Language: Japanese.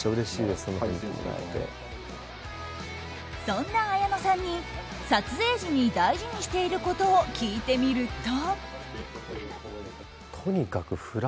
そんな綾野さんに撮影時に大事にしていることを聞いてみると。